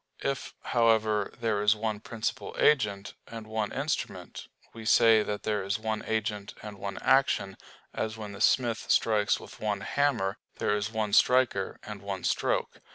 If, however, there is one principal agent, and one instrument, we say that there is one agent and one action, as when the smith strikes with one hammer, there is one striker and one stroke.